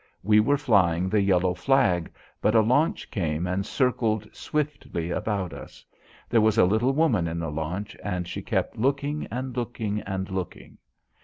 We were flying the yellow flag, but a launch came and circled swiftly about us. There was a little woman in the launch, and she kept looking and looking and looking.